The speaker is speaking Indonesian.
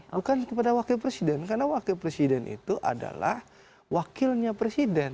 bukan kepada wakil presiden karena wakil presiden itu adalah wakilnya presiden